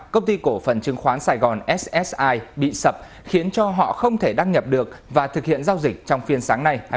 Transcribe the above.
công ty cổ phần chứng khoán sài gòn ssi bị sập khiến cho họ không thể đăng nhập được và thực hiện giao dịch trong phiên sáng nay